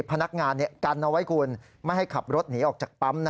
พนักงานกันเอาไว้คุณไม่ให้ขับรถหนีออกจากปั๊ม